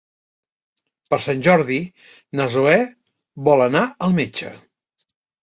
Per Sant Jordi na Zoè vol anar al metge.